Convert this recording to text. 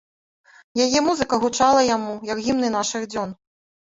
Яе музыка гучала яму, як гімны нашых дзён.